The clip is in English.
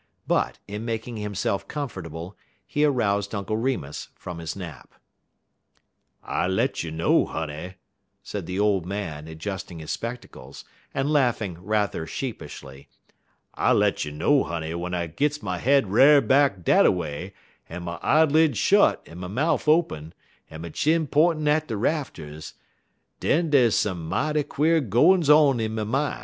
But, in making himself comfortable, he aroused Uncle Remus from his nap. "I let you know, honey," said the old man, adjusting his spectacles, and laughing rather sheepishly, "I let you know, honey, w'en I gits my head r'ar'd back dat a way, en my eyeleds shot, en my mouf open, en my chin p'intin' at de rafters, den dey's some mighty quare gwines on in my min'.